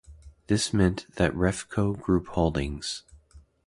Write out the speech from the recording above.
This meant that Refco Group Holdings.